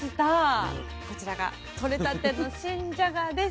こちらが取れたての新じゃがです。